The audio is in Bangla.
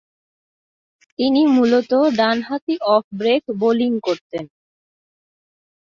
তিনি মূলতঃ ডানহাতি অফ ব্রেক বোলিং করতেন।